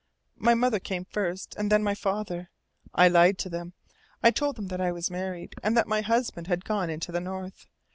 My mother came first, and then my father. I lied to them. I told them that I was married, and that my husband had gone into the North.